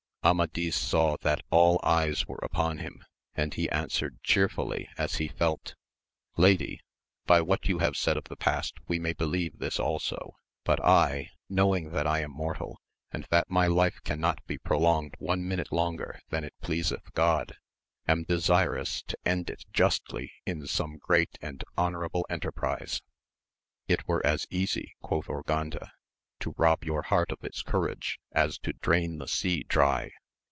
Amadis saw that all eyes were upon him, and he answered chearfuUy as he felt. Lady, by what you have said of the past we may believe this also ; but I, knowing that I am mortal, and that my life cannot be prolonged one minute longer than it pleaseth Grod, am desirous to end it justly in some great and honourable enterprize. It were as easy, quoth Ur ganda, to rob your heart of its courage as to drain the sea dry.